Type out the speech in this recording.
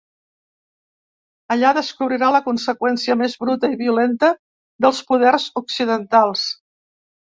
Allà descobrirà la conseqüència més bruta i violenta dels poders occidentals.